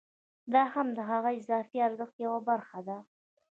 دا هم د هغه اضافي ارزښت یوه برخه ده